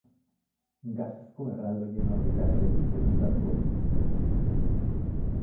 Gasezko erraldoien orbitak ere gurutzatu ohi dituzte.